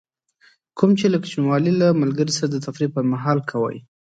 کوم چې له کوچنیوالي له ملګري سره د تفریح پر مهال کوئ.